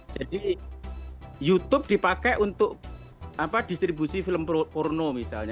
jadi youtube dipakai untuk distribusi film porno misalnya